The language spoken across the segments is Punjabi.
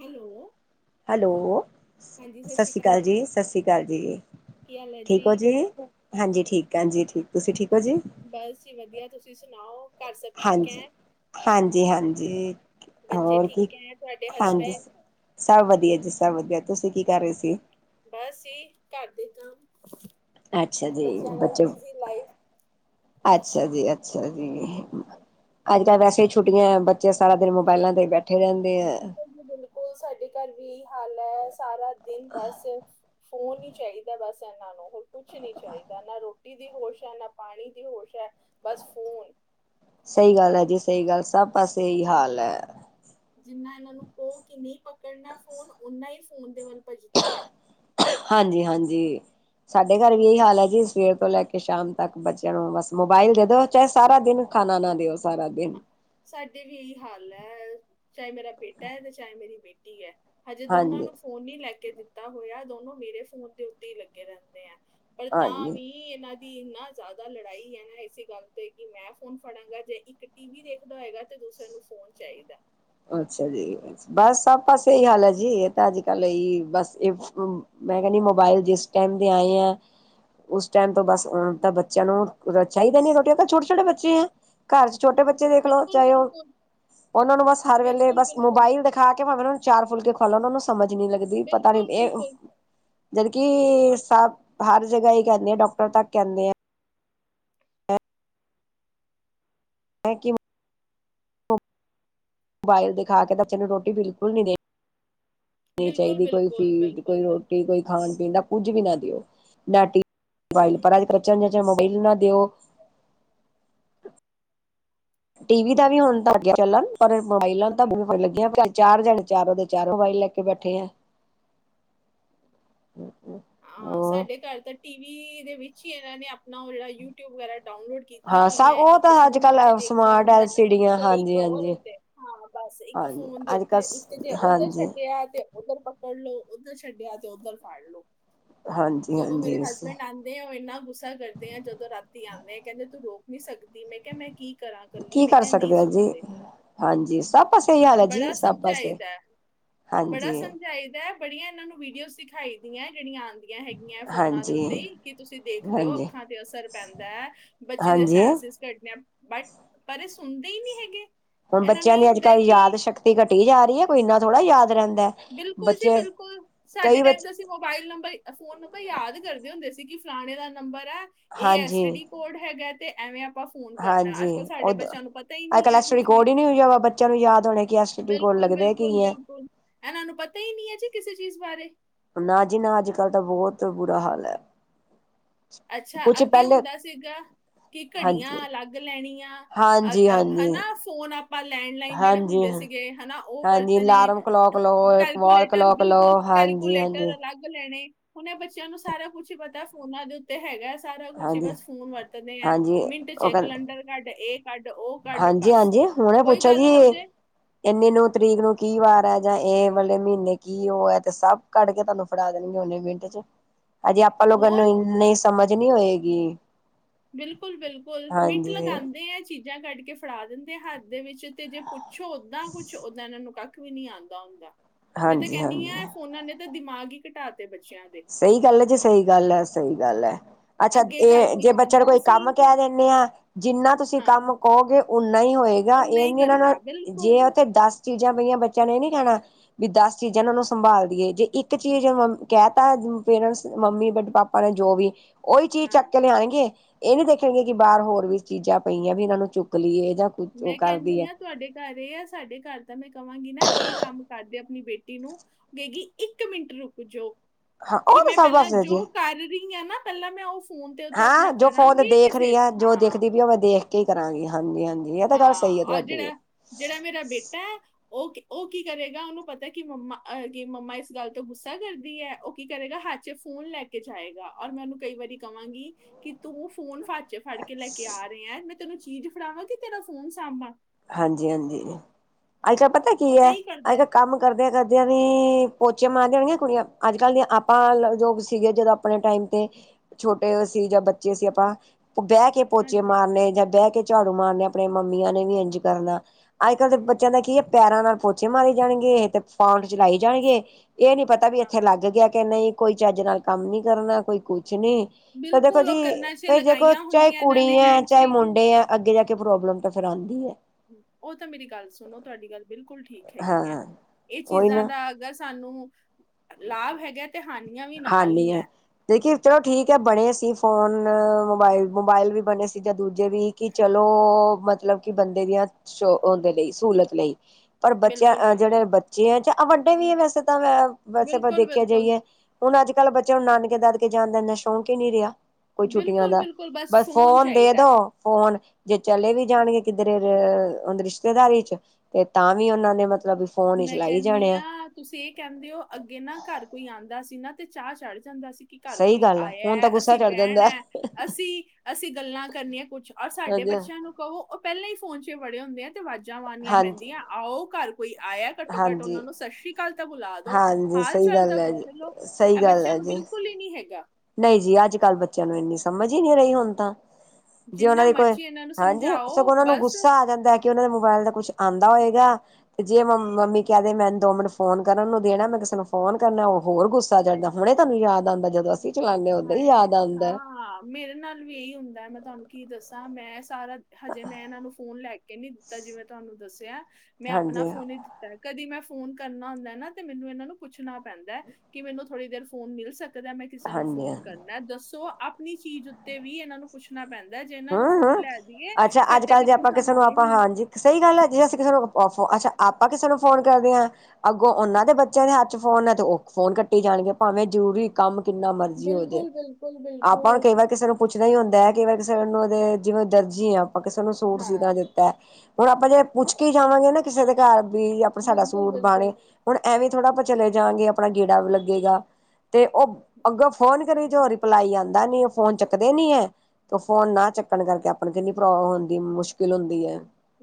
ਹੈਲੋ ਹੈਲੋ ਸਤਿ ਸਤਿ ਸ੍ਰੀ ਅਕਾਲ ਜੀ ਸਤਿ ਸ੍ਰੀ ਕਾਲ ਜੀ ਕੀ ਹਾਲ ਹੈ ਠੀਕ ਹੋ ਜੀ ਹਾਂਜੀ ਠੀਕ ਹਾਂ ਜੀ ਠੀਕ। ਤੁਸੀ ਠੀਕ ਹੋ ਜੀ? ਬਸ ਜੀ ਵਧੀਆ ਤੁਸੀ ਸੁਨਾਓ। ਹਾਂਜੀ-ਹਾਂਜੀ-ਹਾਂਜੀ ਬੱਚੇ ਹੋਰ ਕੀ ਠੀਕ ਹੈ, ਤੁਹਾਡੇ ਹਾਂਜੀ ਹਸਬੈਂਡ? ਸ ਸਭ ਵਧੀਆ ਜੀ ਸਭ ਵ ਬਈ ਤੁਸੀ ਕੀ ਕਰ ਰਹੇ ਸੀ। ਬਸ ਇਹੀ ਘਰ ਦੇ ਕੰਮ ਅੱਛਾ ਜੀ ਬੱਚਿਆਂ ਨਾਲ ਬੱਚੋ ਬਿਜ਼ੀ ਲਾਈਫ। ਅੱਛਾ ਜੀ ਅੱਛਾ ਜੀ ਹੁ ਹੁ ਅੱਜ ਕੱਲ ਵੈਸੇ ਵੀ ਛੁੱਟੀਆਂ ਬੱਚੇ ਸਾਰਾ ਦਿਨ ਮੋਬਾਇਲਾਂ ਤੇ ਹੀ ਬੈਠੇ ਰਹਿੰਦੇ ਆ। ਬਿਲਕੁਲ ਜੀ ਬਿਲਕੁਲ ਸਾਡੇ ਘਰ ਵੀ ਇਹੀ ਹਾਲ ਐ ਸਾਰਾ ਦਿਨ ਬਸ ਫ ਫੋਨ ਈ ਚਾਹੀਦਾ ਬਸ ਇਹਨਾਂ ਨੂੰ ਹੋਰ ਕੁਛ ਨੀ ਚਾਹੀਦਾ ਨਾ ਰੋਟੀ ਦੀ ਹੋਸ਼ ਆ ਨਾ ਪਾਣੀ ਦੀ ਹੋਸ਼ ਆ ਬਸ ਫੋਨ। ਸਹੀ ਗੱਲ ਐ ਜੀ ਸਹੀ ਗੱਲ ਸਭ ਪਾਸੇ ਇਹੀ ਹਾਲ ਐ। ਜਿੰਹਨਾਂ ਇਹਨਾਂ ਨੂੰ ਕਹੋ ਕਿ ਨਈਂ ਪਕੜਨਾ ਫੋਨ ਓਹਨਾਂ ਹੀ ਫੋਨ ਦੇ ਵਲ੍ਹ [unintelligible] ਹਾਂਜੀ, ਹਾਂਜੀ ਜੀ ਸਾਡੇ ਘਰ ਵੀ ਇਹੀ ਹਾਲ ਹੈ ਜੀ ਸੁਵੇਰ ਤੋਂ ਲੇ ਕੇ ਸ਼ਾਮ ਤੱਕ ਬੱਚਿਆਂ ਨੂੰ ਬਸ ਮੋਬਾਇਲ ਦੇ ਦੋ ਚਾਹੇ ਸਾਰਾ ਦਿਨ ਖਾਨਾ ਨਾ ਦਿਓ, ਸਾਰਾ ਦਿਨ। ਸਾਡੇ ਵੀ ਇਹੀ ਹਾਲ ਐ, ਚਾਹੇ ਮੇਰਾ ਬੇਟਾ ਐ ਤੇ ਚਾਹੇ ਮੇਰੀ ਬੇਟੀ ਐ। ਹਜੇ ਦੋਨਾਂ ਨੂੰ ਫੋਨ ਨੀਂ ਲੈ ਕ ਕੇ ਦਿੱਤਾ ਹੋਇਆ ਦੋਨੋਂ ਮੇਰੇ ਫੋਨ ਦੇ ਉੱਤੇ ਈ ਲੱਗੇ ਰਹਿੰਦੇ ਆ। ਪਰ ਤਾਂ ਹਾਂਜੀ-ਹਾਂਜੀ। ਵੀ ਇਹਨਾਂ ਤੇ ਇੰਨਾ ਜ਼ਿਆਦਾ ਲੜਾਈ ਐ ਨਾ, ਇਸੇ ਗੱਲ ਤੇ ਕਿ ਮੈਂ ਫੋਨ ਫੜਾਂਗਾ, ਜੇ ਇੱਕ ਟੀ ਵੀ ਦੇਖ ਹੈਗਾ ਤੇ ਦੂਸਰੇ ਨੂੰ ਫੋਨ ਚਾਹੀਦਾ। ਅੱਛਾ ਜੀ, ਬਸ ਸਭ ਪਾਸੇ ਇਹੀ ਹਾਲ ਏ ਜੀ, ਇਹ ਤਾਂ ਅੱਜ ਕਲ ਅਈ ਬਸ ਮੈਂ ਕਹਿੰਦੀ ਮੋਬਾਇਲ ਜਿਸ ਟਾਈਮ ਦੇ ਆਏ ਆ, ਉਸ ਟਾਈਮ ਤੋਂ ਬਸ ਅ ਤਾਂ ਬੱਚਿਆਂ ਨੂੰ, ਚਾਈਦਾ ਨੀਂ ਰੋਟੀ, ਛੋਟੇ-ਛੋਟੇ ਬੱਚੇ ਐਂ ਘਰ ਚ ਛੋਟੇ ਬੱਚੇ ਦੇਖ ਲਓ, ਬਿਲਕੁਲ ਚਾਹੇ ਉਹ ਬਿਲਕੁਲ ਉਹਨਾਂ ਨੂੰ ਬਸ ਵੇਲੇ ਬਿਲਕੁਲ ਬਸ ਬਿਲਕੁਲ ਮੋਬਾਇਲ ਦਿਖਾ ਕੇ ਭਾਵੇਂ ਉਨ੍ਹਾਂ ਨੂੰ ਚਾਰ ਫੁਲਕੇ ਖਵਾਲਨ [unintelligible] ਸਮਝ ਨਹੀਂ ਲੱਗਦੀ। ਪਤਾ ਨੀ ਬਿਲਕੁਲ ਇਹ, ਬਿਲਕੁਲ ਜਦ ਕੀ ਅਹ ਸਭ ਹਰ ਜਗ੍ਹਾ ਹੀ ਕਹਿੰਦੇ ਆ, ਡਾਕਟਰ ਤੱਕ ਕਹਿੰਦੇ ਆਂ। ਕਿ ਮੋਬਾਇਲ ਦਿਖਾ ਕੇ ਬੱਚੇ ਨੂੰ ਰੋਟੀ ਬਿਲਕੁਲ ਨੀਂ ਦੇਣੀ। ਬਿਲਕੁਲ ਚਾਈਦੀ। ਕੋਈ ਬਿਲਕੁਲ ਚੀਜ਼, ਬਿਲਕੁਲ ਕੋਈ ਰੋਟੀ, ਕੋਈ ਬਿਲਕੁਲ ਖਾਣ-ਪੀਣ, ਦਾ ਕੁੱਝ ਵੀ ਨਾ ਦਿਓ। ਡਾਟੀ ਹਮ [inaudible] ਬਚਿਆ ਨੂੰ [unintelligible] ਮੋਬਾਇਲ ਨਾ ਦੇਓ। ਟੀ ਵੀ ਦਾ ਵੀ ਹੁਣ ਆ ਗਿਆ ਚੱਲਣ, ਪਰ ਮੋਬਾਇਲਾਂ ਤਾਂ ਲੱਗੀਆਂ ਚਾਰ ਜਾਣੇ, ਚਾਰੋਂ ਦੇ ਚਾਰ ਮੋਬਾਈਲ ਲੈ ਕੇ ਬੈਠੇ ਆ। ਉਹ ਟੀ ਵੀ ਦੇ ਵਿੱਚ ਹੀ ਇਹਨਾਂ ਨੇ ਆਪਣਾ ਜਿਹੜਾ ਯੂਟਿਊਬ ਵਗੈਰਾ ਡਾਊਨਲੋਡ ਕੀਤੀਆਂ ਹਾਂ ਹੋਈਆਂ। ਸਭ ਉਹ ਇੱਕ ਤਾਂ ਅੱਜ ਫੋਨ ਦੇ ਕੱਲ ਉੱਤੇ ਦੇਖਦਾ ਸਮਾਰਟ ਹੁੰਦਾ ਐਲ ਐ, ਸੀ ਡੀਆਂ ਤੇ ਇੱਕ ਹਾਂਜੀ ਹੋਰ ਹਾਂਜੀ ਉੱਤੇ ਹਾਂ। ਬਸ, ਇੱਕ ਹਾਂਜੀ ਫੋਨ ਦੇ ਅੱਜ ਉੱਤੇ ਕੱਲ ਇੱਕ ਜੇ ਉੱਧਰ ਹਾਂਜੀ ਛੱਡਿਆ ਤੇ ਉੱਧਰ ਪਕੜ ਲੋ। ਉੱਧਰ ਛੱਡਿਆ, ਤੇ ਉੱਧਰ ਫੜ ਲੋੋ। ਹਾਂਜੀ ਸਗੋਂ ਮੇਰੇ ਹਾਂਜੀ ਹਸਬੈਂਡ ਆਂਦੇ ਆ, ਉਹ ਇੰਨਾ ਗੁੱਸਾ ਕਰਦੇ ਆ, ਜਦੋਂ ਰਾਤੀ ਆਂਦੇ। ਕਹਿੰਦੇ ਤੂੰ ਰੋਕ ਨੀ ਸਕਦੀ? ਮੈਂ ਕਿਹਾ ਮੈਂ ਕੀ ਕਰਾਂ ਕੱਲੀ ਕੀ ਮੈਂ ਕਰ ਕਿਹਾ ਨਹੀਂ ਸਕਦੇ ਆ ਜੀ? ਸੁਣਦੇ ਹਾਂਜੀ, ਸਭ ਪਾਸੇ ਏਹੀ ਹਾਲ ਐ ਜੀ, ਬੜਾ ਸਭ ਪਾਸੇ। ਸਮਝਾਈਦਾ ਬੜਾ ਹਾਂਜੀ। ਸਮਝਾਈਦਾ ਹੈ ਬੜੀਆਂ ਇਹਨਾਂ ਨੂੰ, ਵੀਡੀਓ ਦਿਖਾਈ ਆਂ ਜਿਹੜੀਆਂ ਹੈਗੀਆਂ ਫੋਨਾਂ ਦੇ ਹਾਂਜੀ ਉੱਤੇ, ਕਿ ਤੁਸੀਂ ਦੇਖਦੇ ਹੋ, ਹਾਂਜੀ ਅੱਖਾਂ ਤੇ ਅਸਰ ਪੈਂਦਾ ਐ, ਬੱਚੇ ਦੇ ਹਾਂਜੀ ਸੈਂਸਸ ਘਟੱਦੇ। ਬਟ ਪਰ ਇਹ ਸੁਣਦੇ ਈ ਨ੍ਹੀਂ ਹੈਗੇ। ਹੁਣ ਇਹਨਾਂ ਬੱਚਿਆਂ ਨੂੰ ਇਹ ਦੀ ਅੱਜ ਹੁੰਦਾ ਹੈ ਕੱਲ੍ਹ ਕਿ ਯਾਦ ਸ਼ਕਤੀ ਘਟੀ ਜਾ ਰਹੀ ਐ, ਕੋਈ ਇਨ੍ਹਾਂ ਥੋੜ੍ਹਾ ਯਾਦ ਰਹਿੰਦਾ। ਬਿਲਕੁਲ ਜੀ, ਬੱਚੇ ਬਿਲਕੁਲ। ਸਾਡੇ ਕਈ ਟਾਈਮ ਬੱਚੇ ਤਾਂ ਅਸੀਂ ਮੋਬਾਇਲ ਨੰਬਰ, ਫੋਨ ਨੰਬਰ ਯਾਦ ਕਰਦੇ ਹੁੰਦੇ ਸੀ। ਸੀ ਕਿ ਫਲਾਣੇ ਦਾ ਨੰਬਰ ਇਹ ਐਸ- ਹਾਂਜੀ ਟੀ- ਡੀ ਕੋਡ ਹੈਗਾ। ਤੇ ਐਵੇਂ ਆਪਾਂ ਫੋਨ ਕਰਨਾ ਹਾਂਜੀ। ਅੱਜ ਕੱਲ ਸਾਡੇ ਉਦ, ਬੱਚਿਆਂ ਨੂੰ ਪਤਾ ਹੀ ਅੱਜ- ਨਹੀਂ ਕੱਲ੍ਹ, ਹੈ ਕੁਝ ਐਸਟਡੀ ਵੀ ਕੋਡ ਹੀ ਨੀ ਹੋ ਵਾ ਬੱਚਿਆਂ ਨੂੰ ਯਾਦ ਹੋਣੇ, ਕਿ ਐਸਟਡੀ ਕੋਡ ਬਿਲਕੁਲ ਲੱਗਦੇ ਬਿਲਕੁਲ ਕੀ ਹੈ। ਬਿਲਕੁਲ ਇਹਨਾਂ ਨੂੰ ਪਤਾ ਹੀ ਨਹੀਂ ਹੈ ਜੀ ਕਿਸੇ ਚੀਜ਼ ਬਾਰੇ। ਨਾ ਜੀ ਨਾ, ਅੱਜ ਕੱਲ੍ਹ ਤਾਂ ਬਹੁਤ ਬੁਰਾ ਹਾਲ ਹੈ। ਅੱਛਾ। ਕੁਛ ਅੱਗੇ ਪਹਿਲੇ ਹੁੰਦਾ ਸੀਗਾ, ਕਿ ਘੜੀਆਂ ਹਾਂਜੀ ਅਲੱਗ ਲੈਣੀਆਂ, ਅ ਹਾਂਜੀ ਹਾਂਜੀ ਹਨਾ ਫੋਨ ਆਪਾਂ ਆਪਾਂ ਲੈਂਡ ਲਈਨ ਜਿਹੜੇ ਹਾਂਜੀ ਹੁੰਦੇ ਹਾਂ। ਸੀਗੇ, ਹਨਾਂ? ਉਹ ਹਾਂਜੀ ਵਰਤਣੇ, ਅਲਾਰਮ ਕਲੋਕ ਲਓ ਵਾਲ ਕੈਲਕੂਲੇਟਰ, ਕਲੋਕ ਬਿਲਕੁਲ ਲਓ ਹਾਂਜੀ ਹਾਂਜੀ ਕੈਲਕੂਲੇਟਰ, ਅਲੱਗ ਲੈਣੇ। ਉਹਨੇ ਬੱਚਿਆਂ ਨੂੰ ਸਾਰਾ ਕੁਛ ਹੀ ਪਤਾ ਫੋਨਾਂ ਦੇ ਤੇ ਹੈਗਾ ਸਾਰਾ ਕੁਛ ਹੀ ਹਾਂਜੀ ਬਸ ਫੋਨ ਵਰਤਦੇ ਆ ਹਾਂਜੀ ਮਿੰਟ ਚ ਉਹ ਕਹਿੰ ਕਲੰਡਰ ਘੱਢ ਇਹ ਕੱਢ ਉਹ ਕੱਢ ਹਾਂਜੀ ਬਸ ਹਾਂਜੀ ਹੁਣ ਕੋਈ ਪੁੱਛਿਆ ਜੀ ਗੱਲ ਹੋ ਜੇ ਇੰਨੇ ਨੂੰੌ ਤਰੀਕ ਨੂੰ ਕੀ ਵਾਰ ਜਾਂ ਇਹ ਮਤਲਬ ਮਹੀਨੇ ਕੀ ਉਹ ਹੈ ਤੇ ਸਭ ਕੱਢ ਕੇ ਤੁਹਾਨੂੰ ਫੜਾ ਦੇਣਗੇ ਨੇ ਮਿੰਟ ਚ ਹਜੇ ਆਪਾਂ ਲੋਕਾਂ ਨੂੰ ਹੋਰ ਇੰਨੀ ਸਮਝ ਨੀ ਹੋਏਗੀ ਬਿਲਕੁਲ ਬਿਲਕੁਲ ਮਿੰਟ ਹਾਂਜੀ ਲਗਾਉਂਦੇ ਆ ਚੀਜ਼ਾਂ ਕੱਢ ਕੇ ਫੜਾ ਦਿੰਦੇ ਹੱਥ ਦੇ ਵਿੱਚ ਤੇ ਜੇ ਪੁੱਛੋ ਓਦਾਂ ਕੁਛ ਓਦਾਂ ਇਹਨਾਂ ਨੂੰ ਕੱਖ ਵੀ ਨਹੀਂੀ ਆਉਂਦਾ ਹੁੰਦਾ ਮੈਂ ਤਾਂ ਹਾਂਜੀ ਕਹਿੰਦੀ ਹਾਂਜੀ ਹਾਂ ਫੋਨਾਂ ਨੇ ਤਾਂ ਦਿਮਾਗ ਹੀ ਘਟਾ ਸਹੀ ਗੱਲ ਹੈ ਜੀ ਸਹੀ ਗੱਲ ਹੈ ਸਹੀ ਗ ਗੱਲ ਹੈ ਅੱਛਾ ਅੱਗੇ ਘਰ ਇਹ ਕੋਈ ਜੇ ਬੱਚਿਆਂ ਨੂੰ ਆਂਦਾ ਕੋਈ ਸੀ ਕੰਮ ਕਹਿ ਦਿੰਦੇ ਆ ਜਿੰਨਾ ਤੁਸੀਂ ਹਾਂ ਕੰਮ ਕਹੋਗੇ ਨਹੀਂ ਹੋਏਗਾ ਉਹਨੇ ਇਹ ਹੀ ਨ ਇਹਨਾਂ ਨੂੰ ਕਰਨਾ ਬਿਲਕੁਲ ਜੇ ਉਥੇ ਦੱਸ ਚੀਜ਼ਾਂ ਪਈਆਂ ਬੱਚਿਆਂ ਨੇ ਇਹ ਨੀ ਕਹਿਣਾ ਵੀ ਦਸ ਚੀਜ਼ਾਂ ਉਹ ਨੂੰ ਸੰਭਾਲਦੀਏ ਜੇ ਇੱਕ ਚੀਜ਼ ਉਹਨਾਂ ਨੂੰ ਕਹਿਤਾਂ ਤਾਂ ਪੇਰੈਂਟਸ ਮੰਮੀ ਬਟ ਪਾਪਾ ਨੇ ਜੋ ਵੀ ਉਓਹੀ ਚੀਜ਼ ਹਾਂ ਚੱਕ ਕੇ ਲਿਆਉਣਗੇ ਇਹ ਨੀ ਦੇਖਣਗੇ ਕਿ ਬਾਹਰ ਹੋਰ ਵੀ ਚੀਜ਼ਾਂ ਪਈਆਂ ਵੀ ਇਹਨਾਂ ਨੂੰ ਚੁੱਕ ਲਈਏ ਜਾਂ ਕੁ ਉਹ ਮੈਂ ਕਰਦੀ ਕਹਿੰਦੀ ਹੈ ਹਾਂ ਤੁਹਾਡੇ ਘਰ ਇਹ ਆ ਸਾਡੇ ਘਰ ਤਾਂ ਮੈਂ ਕਵਾਂਗੀ ਨਾ ਇਹ ਕੰਮ ਕਰਦੇ ਆਪਣੀ ਬੇਟੀ ਨੂੰ ਗਏਗੀ ਇੱਕ ਮਿੰਟ ਰੁਕ ਜਾਓ ਹਾਂ ਉਹ ਕਿ ਤਾਂ ਮੈਂ ਸਭ ਪਹਿਲਾਂ ਬਸ ਜੀ ਜੋ ਕਰ ਰਹੀ ਹਾਂ ਨਾ ਇਕੱਲਾ ਮੈਂ ਉਸ ਹਾਂ ਜੋ ਫੋਨ ਦੇਖ ਰਹੀ ਆ ਜੋ ਹਾਂ ਦੇਖਦੀ ਪ ਉਹ ਮੈਂ ਦੇਖ ਕੇ ਕਰਾਂਗੀ ਹਾਂਜੀ ਹਾਂਜੀ ਇਹ ਤਾਂ ਗੱਲ ਸਹੀ ਹਾਂ ਹੈ ਆ ਤੁਹਾਡੀ ਜਿਹੜਾ ਜਿਹੜਾ ਮੇਰਾ ਬੇਟਾ ਹੈ ਉਹ ਉਹ ਕੀ ਕਰੇਗਾ ਉਹਨੂੰ ਪਤਾ ਕਿ ਮੰਮਾ ਅਹ ਮੰਮਾ ਇਸ ਗੱਲ ਤੋਂ ਗੁੱਸਾ ਕਰਦੀ ਹੈ ਉਹ ਕੀ ਕਰੇਗਾ ਹੱਥ ਚ ਫੋਨ ਲੈ ਕੇ ਜਾਏਗਾ ਔਰ ਮੈਂ ਉਹਨੂੰ ਕਈ ਵਾਰੀ ਕਹਾਂਗੀ ਕਿ ਤੂੰ ਫੋਨ ਫੜ ਫੜ ਕੇ ਲੈ ਕੇ ਆ ਰਹੇ ਆ- ਤੈਨੂੰ ਚੀਜ਼ ਫੜਾਵਾਂ ਕਿ ਤੇਰਾ ਫੋਨ ਸਾਂਭਾ ਹਾਂਜੀ-ਹਾਂਜੀ! ਅੱਜ ਕੱਲ ਪਤਾ ਕੀ ਉਹ ਤੇ ਹੈ ਹੀ ਕਰਦਾ ਅੱਜ ਹੈ। ਕੱਲ ਕੰਮ ਕਰਦਿਆਂ ਕਰਦਿਆਂ ਵੀ ਪੋਚੇ ਮਾਰਦੇ ਹੋਣਗੀਆਂ ਕੁੜੀਆਂ ਅੱਜ ਕੱਲ ਦੀਆਂ ਆਪਾਂ ਜੋ ਸੀਗੇ ਜਦੋਂ ਆਪਣੇ ਟਾਈਮ ਤੇ ਛੋਟੇ ਸੀ ਜਾਂ ਬੱਚੇ ਸੀ ਆਪਾਂ ਬਹਿ ਕੇ ਪੋਚੇ ਹਾਂਜੀ ਮਾਰਨੇ ਜਾਂ ਬਹਿ ਕੇ ਝਾੜੂ ਮਾਰਨ ਆਪਣੇ ਮੰਮੀਆਂ ਨੇ ਵੀ ਇੰਝ ਕਰਨਾ। ਅੱਜ-ਕੱਲ੍ਹ ਦੇ ਹੂੰ ਬੱਚਿਆਂ ਦਾ ਕੀ ਹੈ ਪੈਰਾਂ ਨਾਲ ਪੋਚੇ ਮਾਰੇ ਜਾਣਗੇ ਤੇ ਫੌਂਨ ਚਲਾਈ ਜਾਣਗੇ। ਇਹ ਨੀ ਪਤਾ ਵੀ ਇੱਥੇ ਹਾਂ ਲੱਗ ਗਿਆ ਕੇ ਨਹੀਂ ਕੋਈ ਚੱਜ ਨਾਲ ਕੰਮ ਨੀ ਕਰਨਾ ਕੋਈ ਕੁਛ ਕੁਛ ਨੀ ਫਿਰ ਦੇਖੋ ਬਿਲਕੁਲ ਜੀ ਉਹ ਕੰਨਾਂ 'ਚ ਫੇਰ ਦੇਖੋ ਲਗਾਈਆਂ ਚਾਹੇ ਹੁੰਦੀਆਂ ਇਹਨਾਂ ਕੁੜੀ ਨੇ ਆ ਹੈਂਡ ਚਾਹੇ ਫ੍ਰੀ ਮੁੰਡੇ ਆ ਅੱਗੇ ਜਾ ਕੇ ਪ੍ਰੋਬਲਮ ਤਾਂ ਫਿਰ ਆਂਦੀ ਹੈ। ਉਹ ਤਾਂ ਮੇਰੀ ਗੱਲ ਸੁਣੋ ਤੁਹਾਡੀ ਗੱਲ ਬਿਲਕੁਲ ਠੀਕ ਹੈਗੀ ਹੈ ਹਾਂ ਇਹ ਉਹੀ ਨਾ ਚੀਜ਼ਾਂ ਦਾ ਅਗਸ ਸਾਨੂੰ ਲਾਭ ਹੈਗਾ। ਤੇ ਹਾਨੀਆਂ ਵੀ ਨਾਲ ਹੀ ਹੈ ਹਾਨਿਆ ਦੇਖੀ ਚਲੋ ਠੀਕ ਹੈ ਬਣੇ ਸੀਂ ਫੋਨ ਮੋਬਾਇਲ ਮੋਬਾਇਲ ਵੀ ਬਣੇ ਸੀ ਜਾਂ ਦੂਜੇ ਵੀ ਕਿ ਚਲੋ ਮਤਲਬ ਕਿ ਬੰਦੇ ਦੀਆਂ ਉਹਦੇ ਲਈ ਸਹੂਲਤ ਲਈ ਪਰ ਬਿਲਕੁਲ ਬੱਚਿਆਂ ਬਿਲਕੁਲ ਜਿਹੜੇ ਬੱਚੇ ਹੈ ਜਾਂ ਵੱਡੇ ਵੀ ਹੈ ਵੈਸੇ ਤਾਂ ਵੈਲ ਆਹ- ਵੈਸੇ ਆਪਾਂ ਬਿਲਕੁਲ ਦੇਖਿਆ ਬਿਲਕੁਲ ਜਾਈਏ ਹੁਣ ਅੱਜ ਕੱਲ੍ਹ ਬੱਚਿਆਂ ਨੂੰ ਨਾਨਕੇ ਦਾਦਕੇ ਜਾਣ ਦਾ ਇੰਨਾ ਸ਼ੌਕ ਹੀ ਨਹੀ ਰਿਹਾ। ਕੋਈ ਛੁੱਟੀਆਂ ਬਿਲਕੁਲ ਦਾ ਬਿਲਕੁਲ ਬਸ ਫੋਨ ਦੇ ਚਾਹੀਦਾ ਹੈ। ਦੋ ਫੋਨ ਜੇ ਚਲੇ ਵੀ ਜਾਣਗੇ ਕਿਧਰੇ ਅਹ ਰਿਸ਼ਤੇਦਾਰੀ ਚ ਤੇ ਤਾਂ ਵੀ ਉਹਨਾਂ ਨੇ ਮਤਲਬ ਫੋਨ ਹੀ ਮੈਂ ਚਲਾਈ ਜਾਣੇ ਕਹਿੰਦੀ ਆ ਹਾਂ ਤੁਸੀਂ ਇਹ ਕਹਿੰਦੇ ਹੋ ਅੱਗੇ ਨਾ ਘਰ ਕੋਈ ਆਦਾ ਸੀ ਨਾ ਤੇ ਚਾਹ ਚੜ ਜਾਂਦਾ ਸੀ ਕਿ ਘਰ ਸਹੀ ਕੋਈ ਗੱਲ ਆ ਹੁਣ ਆਇਆ ਤਾਂ ਗੁੱਸਾ ਅਸੀਂ ਚੜ ਬਹਿਣ ਹੈ ਅਸੀਂ ਅਸੀਂ ਗੱਲਾਂ ਕਰਨੀਆਂ ਕੁਛ ਔਰ ਸਾਡੇ ਜਾਂਦਾ ਬੱਚਿਆਂ ਨੂੰ ਕਹੋ ਉਹ ਪਹਿਲਾਂ ਹੀ ਫੋਨ ਬੜੇ ਹੁੰਦੇ ਆ ਆਵਾਜ਼ਾਂ ਮਾਰਨੀਆਂ ਹਾਂਜੀ, ਪੈਂਦੀਆਂ ਆਓ ਘਰ ਕੋਈ ਆਇਆ ਘੱਟੋ ਘੱਟ ਉਹਨਾ ਹਾਂਜੀ, ਨੂੰ ਸਤਿ ਸ੍ਰੀ ਅਕਾਲ ਤਾਂ ਬੁਲਾ ਦੋ ਹਾਂਜੀ ਹਾਲ ਸਹੀ ਚਾਲ ਗੱਲ ਤਾਂ ਹੈ ਜੀ। ਪੁੱਛ ਲੋ ਸਹੀ ਇਹ ਗੱਲ ਬੱਚਿਆਂ ਹੈ ਨੂੰ ਜੀ, ਬਿਲਕੁਲ ਹੀ ਨਹੀਂ ਹੈਗਾ ਨਹੀਂ ਜੀ ਅੱਜ ਕੱਲ੍ਹ ਬੱਚਿਆਂ ਨੂੰ ਇੰਨੀ ਸਮਝ ਹੀ ਨਹੀਂ ਰਹੀ ਹੁਣ ਤਾਂ ਜੇ ਉਹਨਾਂ ਜਿੰਨਾ ਦੀ ਕੋਈ ਮਰਜ਼ੀ ਇਹਨਾਂ ਨੂੰ ਹਾਂਜੀ ਸਗੋਂ ਸਮਝਾਓ ਉਹਨਾਂ ਨੂੰ ਬਸ ਗੁੱਸਾ ਆ ਜਾਂਦਾ ਹੈ ਕਿ ਉਹਨਾਂ ਦੇ ਮੋਬਾਇਲ ਦਾ ਕੁਛ ਆਉਂਦਾ ਹੋਏਗਾ ਤੇ ਜੇ ਮੰਮੀ ਕਹਿ ਦੇ ਮੈਨੂੰ ਦੋ ਮਿੰਟ ਫੋਨ ਕਰਨ ਨੂੰ ਦੇਣਾ ਮੈਂ ਕਿਸੇ ਨੂੰ ਫੋਨ ਕਰਨਾ ਉਹ ਹੋਰ ਗੁੱਸਾ ਚੜਦਾ ਹੁਣੇ ਤੁਹਾਨੂੰ ਯਾਦ ਆਉਂਦਾ ਜਦੋਂ ਅਸੀਂ ਚਲਾਉਂਦੇ ਉਦੋਂ ਹੀ ਹੈ ਯਾਦ ਆਉਂਦਾ। ਹਾਂ ਮੇਰੇ ਨਾਲ ਵੀ ਇਹੀ ਹੁੰਦਾ ਮੈਂ ਤੁਹਾਨੂੰ ਕੀ ਦੱਸਾਂ ਮੈਂ ਸਾਰਾ ਹਜੇ ਮੈਂ ਇਹਨਾਂ ਨੂੰ ਫੋਨ ਲੈ ਕੇ ਨੀ ਦਿੱਤਾ ਜਿਵੇਂ ਤੁਹਾਨੂੰ ਦੱਸਿਆ ਮੈਂ ਆਪਣਾ ਹਾਂਜੀ, ਫੋਨ ਹੀ ਦਿੱਤਾ ਕਦੀ ਮੈਂ ਫੋਨ ਕਰਨਾ ਹੁੰਦਾ ਨਾ ਤੇ ਮੈਨੂੰ ਇਹਨਾਂ ਨੂੰ ਪੁੱਛਣਾ ਪੈਂਦਾ ਹੈ ਕਿ ਮੈਨੂੰ ਥੋੜੀ ਦੇਰ ਫੋਨ ਮਿਲ ਸਕ। ਕਦ ਮੈਂ ਕਿਸੇ ਨੂੰ ਫੋਨ ਹਾਂਜੀ। ਕਰਨਾ ਦੱਸੋ। ਆਪਣੀ ਚੀਜ਼ ਉੱਤੇ ਵੀ ਇਹਨਾਂ ਨੂੰ ਪੁੱਛਣਾ ਪੈਂਦਾ। ਹੈ। ਜੇ ਇਹਨਾਂ ਨੂੰ ਹਮ ਫੋਨ ਹਮ ਲੈ ਦਈਏ ਅੱਛਾ ਫਿਰ ਅੱਜ ਤੇ ਕੱਲ੍ਹ ਜੇ ਬਿਲਕੁਲ ਆਪਾਂ ਕਿਸੇ ਸਾਨੂੰ ਨੂੰ ਆਪਾਂ ਦੇਣੀ ਨਾ ਹਾਂਜੀ ਸਹੀ ਗੱਲ ਹੈ ਜੇ ਅਸੀਂ ਕਿਸੇ ਨੂੰ ਉਹ ਅੱਛਾ ਆਪਾਂ ਕਿਸੇ ਨੂੰ ਫੋਨ ਕਰਦੇ ਹਾਂ ਅੱਗੋਂ ਉਹਨਾਂ ਦੇ ਬੱਚਿਆਂ ਦੇ ਹੱਥ ਚ ਫੋਨ ਆ ਤੇ ਉਹ ਫੋਨ ਕੱਟੀ ਜਾਣਗੇ ਭਾਵੇਂ ਜਰੂਰੀ ਕੰਮ। ਕਿੰਨਾ ਮਰਜ਼ੀ ਹੋ ਜੇ ਆਪਾਂ ਹੁਣ ਕਈ ਵਾਰ ਕਿਸੇ ਨੂੰ ਪੁੱਛਣਾ ਹੀ ਹੁੰਦਾ ਹੈ। [unintelligible] ਨੂੰ ਉਹਦੇ ਜਿਵੇਂ ਦਰਜੀ ਆ ਆਪ। ਆਪ ਕਿਸੇ ਨੂੰ ਸੂਟ ਸੀ ਦਾ ਦਿੱਤਾ। ਹੁਣ ਆਪਾਂ ਜੇ ਪੁੱਛ ਕੇ ਹੀ ਜਾਵਾਂਗੇ ਨਾ ਕਿਸੇ ਦੇ ਘਰ ਵੀ ਆਪਣੇ ਸਾਡਾ ਸੂਟ ਬਾਣੇ ਹੁਣ ਐਵੇਂ ਥੋੜਾ ਆਪਾਂ ਚਲੇ ਜਾਾਂਗੇ ਆਪਣਾ ਗੇੜਾ ਵੀ ਲੱਗੇਗਾ ਤੇ ਉਹ ਅੱਗੋਂ ਫੋਨ ਕਰੇ ਜੋ ਰਿਪਲਾਈ ਆਉਂਦਾ ਨ ਉਹ ਫੋਨ ਚੱਕਦੇ ਨੀ ਹੈ। ਤੇ ਫੋਨ ਨਾ ਚੱਕਣ ਕਰਕੇ ਆਪਾਂ ਨੂੰ ਕਿੰਨੀ ਪ੍ਰੋਬਲਮ ਹੁੰਦੀ ਮੁਸ਼ਕਿਲ ਹੁੰਦੀ ਹੈ।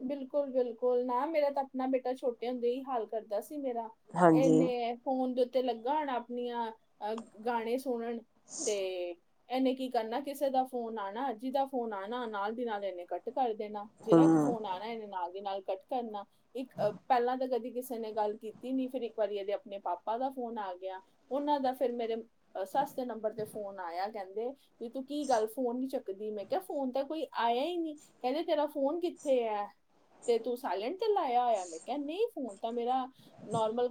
ਬਿਲਕੁਲ ਬਿਲਕੁਲ ਨਾ ਮੇਰਾ ਤਾਂ ਆਪਣਾ ਬੇਟਾ ਛੋਟੇ ਹੁੰਦੇ ਹੀ ਹਾਲ ਕਰਦਾ ਸੀ। ਮੇਰਾ ਹਾਂਜੀ ਇਨੇ ਫੋਨ ਦੇ ਉੱਤੇ ਲੱਗਾ ਹੋਣਾ। ਆਪਣੀਆਂ ਅਹ ਗਾਣੇ ਸੁਣਨ ਤੇ ਇਹਨੇ ਕੀ ਕਰਨਾ ਕਿਸੇ ਦਾ ਫੋਨ ਆਉਣਾ ਅੱਜੀ ਦਾ ਫੋਨ ਆਉਣਾ ਨਾਲ ਦੀ ਨਾਲ ਇਹਨੇ ਕੱਟ ਕਰ ਦੇਣਾ ਜਿਹੜਾ ਕਿਸ ਹਮ ਫੋਨ ਆ ਨਾ ਇਹਦੇ ਨਾਲ ਦੀ ਨਾਲ ਕੱਟ ਕਰਨਾ ਇੱਕ ਪਹਿਲਾਂ ਤਾਂ ਕਦੀ ਕਿਸੇ ਨੇ ਗੱਲ ਕੀਤੀ ਨੀ ਫਿਰ ਇੱਕ ਵਾਰੀ ਇਹਦੇ ਆਪਣੇ ਪਾਪਾ ਦਾ ਫੋਨ ਆ ਗਿਆ ਉਹਨਾਂ ਦਾ ਫਿਰ ਮੇਰੇ ਸੱਸ ਨੰਬਰ ਤੇ ਫੋਨ ਆਇਆ ਕਹਿੰਦੇ ਵੀ ਤੂੰ ਕੀ ਗੱਲ ਫੋਨ ਨੀ ਚੱਕਦੀ ਮੈਂ ਕਿਹਾ ਫੋਨ ਤਾਂ ਕੋਈ ਆਇਆ ਹੀ ਨਹੀਂ ਕਹਿੰਦੇ ਤੇਰਾ ਫੋਨ ਥੇ ਹੈ ਤੇ ਤੂੰ ਸਾਇਲੈਂਟ ਤੇ ਲਾਇਆ ਹੋਇਆ ਮੈਂ ਕਿਹਾ ਨਹੀਂ ਫੋਨ ਤਾਂ ਮੇਰਾ ਨੋਰਮਲ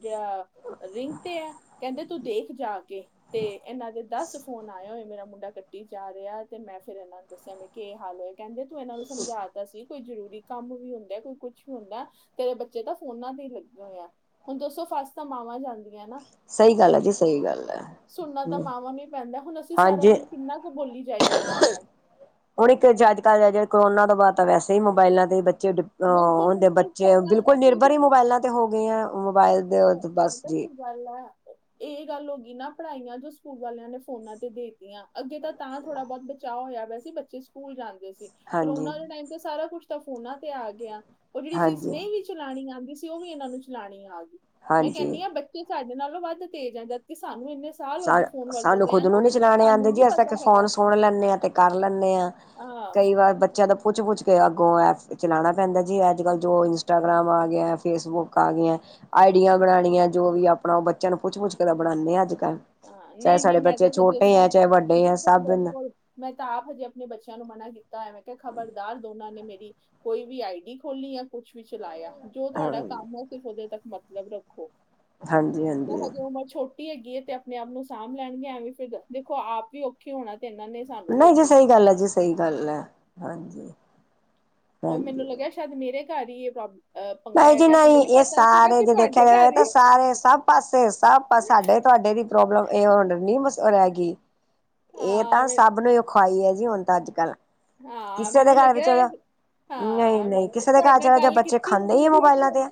ਜਿਹੜਾ ਰਿੰਗ ਤੇ ਆ ਕਹਿੰਦੇ ਤੂੰ ਦੇਖ ਜਾ ਕੇ ਤੇ ਇਹਨਾਂ ਦੇ ਦੱਸ ਫੋਨ ਆਏ ਹੋਏ ਮੇਰਾ। ਮੁੰਡਾ ਕੱਟੀ ਜਾ ਰਿਹਾ ਤੇ ਮੈਂ ਫਿਰ ਇਹਨਾਂ ਨੂੰ ਦੱਸਿਆ ਮ ਹਾਲ ਹੋਇਆ ਕਹਿੰਦੇ ਤੂੰ ਇਹਨਾਂ ਨੂੰ ਸਮਝਾ ਕੋਈ ਜਰੂਰੀ ਕੰਮ ਵੀ ਹੁੰਦਾ ਕੋਈ ਕੁੱਛ ਵੀ ਹੁੰਦਾ ਤੇਰੇ ਬੱਚੇ ਤਾਂ ਫੋਨਾ ਤੇ ਹੀ ਲੱਗੇ ਹੋਏ ਆ ਹੁਣ ਦੱਸੋ ਫਸ ਤਾਂ ਮਾਵਾਂ ਜਾਂਦੀਆਂ ਨਾ। ਸਹੀ ਗੱਲ ਹੈ ਜੀ ਸਹੀ ਗੱਲ ਹੈ ਸੁਣਨਾ ਤਾਂ ਮਾਵਾਂ ਨੂੰ ਹੀ ਪੈਂਦਾ ਹੁਣ ਅਸੀਂ ਸਾਰਾ ਹਾਂਜੀ ਦਿਨ ਕਿੰਨਾ ਕੁ ਬੋਲੀ ਜਾਈਏ ਇਹਨਾਂ ਨਾਲ ਕੋਰੋਨਾ ਤੋਂ ਬਾਅਦ ਤਾਂ ਵੈਸੇ ਹੀ ਮੋਬਾਈਲਾ ਤੇ ਬਿਲਕੁਲ ਹੁੰਦੇ ਬਿਲਕੁਲ ਬੱਚੇ ਪਹਿਲਾਂ ਬਿਲਕੁਲ ਤਾਂ ਨਿਰਭਰ ਫਿਰ ਹੀ ਮੋਬਾਇਲਾਂ ਤੇ ਹੋ ਗਏ ਆ। ਵਾਦੇਵਤ ਬੱਸ ਪਤਾ ਜੀ। ਕੀ ਗੱਲ ਆ ਇਹ ਗੱਲ ਹੋ ਗਈ ਨਾ ਪੜ੍ਹਾਈਆਂ ਜੋ ਸਕੂਲ ਵਾਲਿਆਂ ਨੇ ਫੋਨਾਂ ਤੇ ਦੇ ਅੱਗੇ ਤਾਂ ਥੋੜਾ ਬਹੁਤ ਬਚਾਓ ਹੋਇਆ। ਸੀ ਬੱਚੇ ਸਕੂਲ ਜਾਂਦੇ ਹਾਂਜੀ ਕਰੋਨਾ ਦੇ ਟਾਈਮ ਤੇ ਸਾਰਾ ਕੁਛ ਤਾਂ ਫੋਨਾ ਤੇ ਆ ਗਿਆ ਉਹ ਜਿਹੜੀ ਚੀਜ਼ ਹਾਂਜੀ ਨਹੀਂ ਵੀ ਚਲਾਉਣੀ ਆਦੀ ਉਹ ਵੀ ਇਹਨਾਂ ਨੂੰ ਚਲਾਉਣੀ ਆ ਗਈ। ਮੈਂ ਹਾਂਜੀ ਕਹਿੰਣੀ ਹਾਂ ਬੱਚੇ ਸਾਡੇ ਨਾਲੋਂ ਵੱਧ ਤੇਜ਼ ਹੈ। ਜਦਕਿ ਸਾਡੇ ਸਾਨੂੰ ਖੁਦ ਨੂੰ ਨੀ ਚਲਾਉਣੇ ਸਾਨੂੰ ਆਦੇ ਨੀ ਜੀ ਅਸੀਂ ਪਤਾ ਫੋਨ ਹੈਗਾ ਸੁਣ ਲੈਂਦੇ ਹਾਂ ਤੇ ਕਰ ਲੈਂਦੇ ਹਾਂ ਹਾਂ ਕਈ ਵਾਰ ਬੱਚਿਆਂ ਦਾ ਪੁੱਛ -ਪੁੱਛ ਕੇ ਅੱਗੋਂ ਐਪ ਚਲਾਉਣਾ ਪੈਂਦਾ ਜੀ ਅੱਜ ਕੱਲ੍ਹ ਜੋ ਇੰਸਟਾਗ੍ਰਾਮ ਆ ਗਿਆ ਫੇਸਬੁੱਕ ਆ ਗਈਆਂ ਆਈਡੀਆਂ ਬਣਾਉਣੀਆਂ ਜੋ ਵੀ ਆਪਣਾ ਉਹ ਬੱਚਿਆਂ ਨੂੰ ਪੁੱਛ -ਪੁੱਛ ਕੇ ਤਾਂ ਬਣਾਉਦੇ ਹਾਂ ਅੱਜ ਕੱਲ੍ਹ ਹਾਂ ਚਾਹੇ ਨਹੀ- ਨਹੀ ਸਾਡੇ ਮੈਂ ਬੱਚੇ ਦੱਸਾਂ ਛੋਟੇ ਹੈ ਚਾਹੇ ਵੱਡੇ ਹੈ ਬਿਲਕੁਲ- ਸਭ ਬਿਲਕੁਲ ਮੈਂ ਤਾਂ ਆਪ ਹਜੇ ਆਪਣੇ ਬੱਚਿਆਂ ਨੂੰ ਮਨਾ ਕੀਤਾ ਤਾਂ ਐਵੇਂ ਕਿਹਾ ਖਬਰਦਾਰ ਦੋਨਾਂ ਨੇ ਮੇਰੀ ਕੋਈ ਵੀ ਆਈ ਡੀ ਖੋਲੀ ਆ ਕੁਛ ਵੀ ਚਲਾਇਆ ਜੋ ਤੁਹਾਡਾ ਹਾਂ ਕੰਮ ਹੈ ਸਿਰਫ ਉਹ ਦੇ ਤੱਕ ਮਤਲਬ ਰੱਖੋ ਤਾਂ ਹਾਂਜੀ-ਹਾਂਜੀ ਹਜੇ ਉਮਰ ਛੋਟੀ ਹੈਗੀ ਹੈ। ਤੇ ਚੈਕ ਆਪਣੇ ਆਪ ਨੂੰ ਸਾਂਭ ਲੈਣਗੇ ਐਵੇਂ ਫਿਰ ਦੇਖੋ ਆਪ ਵੀ ਔਖੇ ਹੋਣਾ ਤੇ ਇਹਨਾਂ ਨੇ ਸਾਨੂੰ ਵੀ ਨਹੀਂ ਜੀ ਔਖੇ ਸਹੀ ਕਰਨਾ ਗੱਲ ਹੈ ਜੀ ਸਹੀ ਗੱਲ ਹੈ। ਹਾਂਜੀ ਹੋਰ ਹਾਂਜੀ ਮੈਨੂੰ ਲੱਗਿਆ ਸ਼ਾਇਦ ਮੇਰੇ ਹੈਗੀ ਏ ਇਹ ਪ੍ਰੋਬਲਮ ਨਹੀਂ ਜੀ ਨਹੀਂ ਇਹ ਸਾਰੇ ਜੇ ਦੇਖਿਆ ਤੁਹਾਡੇ ਜਾਵੇ ਘਰ ਤਾਂ ਹੀ ਸਾਰੇ ਸਭ ਪਾਸੇ ਸਭ ਸਾਡੇ ਤੁਹਾਡੇ ਦੀ ਪ੍ਰੋਬਲਮ ਇਹਏ ਹਣ ਨ ਮਸ ਉਹ ਰਹ ਗੀ। ਇਹ ਹਾਂ ਤਾਂ ਮੈਂ- ਸਭ ਨੂੰ ਖਵਾਈ ਹੈ। ਨਹੀ ਹੁੰਦਾ ਅੱਜ ਕੱਲ੍ਹ ਹਾਂ ਕਿਸੇ ਦੇ ਮੈਨੂੰ ਘਰ ਲੱਗਿਆ ਵਿੱਚ ਨਹੀਂ ਹਾਂ। ਨਹੀਂ ਕਿਸੇ ਦੇ ਤੁਹਾਡੇ ਘਰ ਨਾਲ ਚਲਾ ਜਾ ਗੱਲ ਬੱਚੇ ਕੀਤੀ ਖਾਂਦੇ ਕੀਹੋਜਾ ਹੀ ਆ ਲੱਗਿਆ ਹੈ। ਮੋਬਾਇਲਾਂ ਸ਼ੋਪ ਤੇ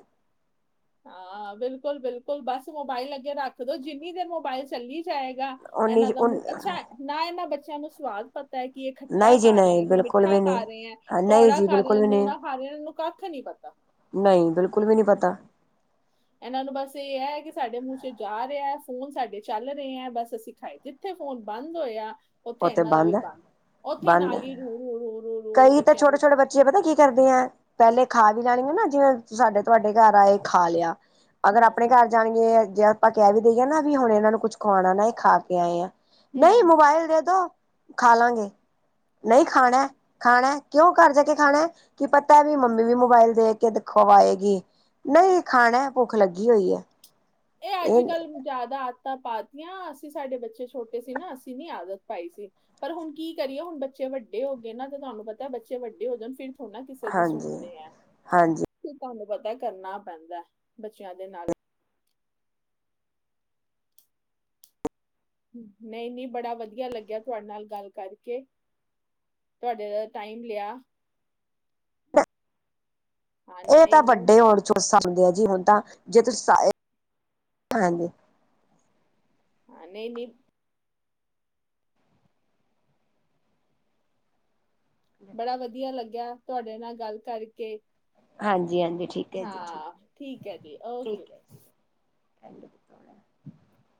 ਹਾਂ ਬਿਲਕੁਲ- ਬਿਲਕੁਲ ਬਸ ਮੋਬਾਇਲ ਅੱਗੇ ਰੱਖ ਦੋ ਜਿੰਨੀ ਦੇਰ ਮੋਬਾਇਲ ਚੱਲੀ ਜਾਏਗਾ ਓਨੀ ਇਹਨਾਂ ਦਾ ਅੱਛਾ ਨਾ ਇਹਨਾਂ ਬੱਚਾ ਇਹ ਨੂੰ ਸਵਾਦ ਪਤਾ ਏਹ ਕਿ ਇਹ ਖੱਟਾ ਨਹੀਂ ਜੀ ਖਾ ਰਹੇ ਨਹੀ ਹੈ ਕਿ ਬਿਲਕੁਲ ਮਿੱਠਾ ਵੀ ਖਾ ਰਹੇ ਹੈ ਨਹੀਨਹੀ ਕੌੜਾ ਜੀ ਖਾ ਰਹੇ ਬਿਲਕੁਲ ਹੈ ਵੀ ਲੂਣਾ ਖਾ ਰਹੇ ਹੈ ਇਹਨਾਂ ਨੂੰ ਕੱਖ ਨਹੀਂ ਪਤਾ ਨਹੀ-ਨਹੀ ਬਿਲਕੁਲ ਵੀ ਨਹੀ ਪਤਾ। ਇਹਨਾਂ ਨੂੰ ਬਸ ਇਹ ਹੈ, ਕਿ ਸਾਡੇ ਮੂੰਹ ਚ ਜਾ ਰਿਹਾ ਫੋਨ ਸਾਡੇ ਚੱਲ ਰਹੇ ਹੈ, ਬਸ ਅਸੀ ਖਾਏ ਜਿੱਥੇ ਫੋਨ ਬੰਦ ਹੋਇਆ ਉੱਥੇ ਉਹ ਤੇ ਇਹਨਾਂ ਦਾ ਵੀ ਬੰਦ ਉੱਥੇ ਹੀ ਬੰਦ-ਬੰਦ ਨਾਲ ਹੀ ਰੂ ਰੂ ਰੂ ਰੂ ਰੂ ਰੂ ਕਈ ਤਾਂ ਬੱਚਿਆਂ ਦੀ ਛੋਟੇ-ਛੋਟੇ ਬੱਚੇ ਪਤਾ ਕੀ ਕਰਦੇ ਆ ਪਹਿਲੇ ਖਾ ਵੀ ਲੈਣੀ ਆ ਨਾ ਜਿਵੇਂ ਸਾਡੇ ਤੁਹਾਡੇ ਘਰ ਆਏ ਖਾ ਲਿਆ ਅਗਰ ਹੂੰ ਆਪਣੇ ਘਰ ਜਾਣਗੇ। ਜੇ ਆਪਾਂ ਕਹਿ ਵੀ ਦੇਈਏ, ਨਾ ਵੀ ਹੁਣ ਇਹਨਾਂ ਨੂੰ ਕੁਛ ਖਾਣਾ ਨਾ ਇਹ ਖਾ ਕੇ ਆਏ ਆ। ਨਹੀਂ ਹੂੰ ਮੋਬਾਇਲ ਦੇ, ਖਾਲਾਂਗੇ, ਨਹੀਂ ਹਾਂ ਖਾਣਾ-ਖਾਣਾ, ਕਿਉਂ ਘਰ ਜਾ ਕੇ ਖਾਣਾ ਕਿ ਪਤਾ ਵੀ ਮੰਮੀ ਵੀ ਮੋਬਾਇਲ ਦੇਖ ਕੇ ਦਿਖਾ ਕੇ ਖਵਾਏਗੀ ਨਹੀਂ ਖਾਣਾ ਭੁੱਖ ਲੱਗੀ ਹੋਈ ਹੈ। ਇਹ ਅੱਜ ਕੱਲ ਜ਼ਿਆਦਾ ਤਾਂ ਪਾਤੀਆਂ ਅਸੀਂ ਸਾਡੇ ਬੱਚੇ ਛੋਟੇ ਸੀ, ਨਾ ਅਸੀਂ ਨੀ ਆਦਤ ਪਾਈ ਸੀ ਪਰ ਹੁਣ ਕੀ ਕਰੀਏ, ਹੁਣ ਬੱਚੇ ਵੱਡੇ ਹੋ ਗਏ ਨਾ ਤੇ ਤੁਹਾਨੂੰ ਪਤਾ ਬੱਚੇ ਵੱਡੇ ਹੋ ਜਾਣ ਫਿਰ ਥੋੜਾ ਨਾ ਕਿਸੇ ਦੀ ਹਾਂਜੀ ਸੁਣਦੇ ਆ। ਹਾਂਜੀ ਤੁਹਾਨੂੰ ਪਤਾ ਕਰਨਾ ਪੈਂਦਾ ਬੱਚਿਆਂ ਦੇ ਨਾਲ ਨਹੀਂ-ਨਹੀਂ ਬੜਾ ਵਧੀਆ ਲੱਗਿਆ, ਤੁਹਾਡੇ ਨਾਲ ਗੱਲ ਕਰਕੇ ਤੁਹਾਡੇ ਦਾ ਟਾਈਮ ਲਿਆ। ਹਾਂ ਇਹ ਤਾਂ ਨਹੀਂ ਨਹੀਂ ਵੱਡੇ ਹੋਣ ਚੋਂ ਸਮਦੇ ਆ ਜੀ ਹੁਣ ਤਾਂ ਜੇ ਤੁਸੀ ਨਹੀ-ਨਹੀ, ਬੜਾ ਵਧੀਆ ਲੱਗਿਆ। ਤੁਹਾਡੇ ਨਾਲ ਗੱਲ ਕਰਕੇ। ਹਾਂਜੀ, ਹਾਂਜੀ ਠੀਕ ਹੈ ਜੀ ਠੀਕ ਹਾਂ ਠੀਕ ਹੈ ਜੀ ਓਕੇ। ਐ [unintelligible]